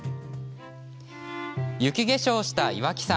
雪化粧した岩木山。